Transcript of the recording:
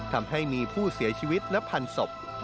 ทำให้มีผู้เสียชีวิตนับพันศพ